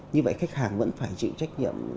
như vậy khách hàng vẫn phải chịu trách nhiệm